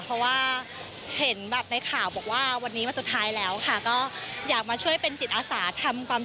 เพราะว่าเห็นแบบในข่าวบอกว่าวันนี้มันสุดท้ายแล้วค่ะ